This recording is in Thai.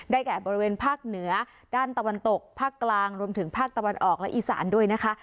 แก่บริเวณภาคเหนือด้านตะวันตกภาคกลางรวมถึงภาคตะวันออกและอีสานด้วยนะคะ